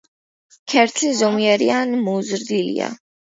ქერცლი ზომიერი, ან მოზრდილია.